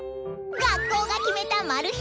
学校が決めたマル秘